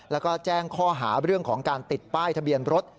แล้วก็แจ้งข้อหาเรื่องของการติดป้ายทะเบียนรถ